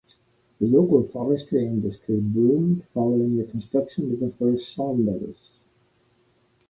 The local forestry industry boomed following the construction of the first sawmills.